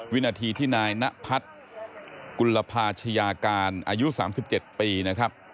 วินาทีที่นายนพัฒน์กุลภาชยาการอายุ๓๗ปีนะครับ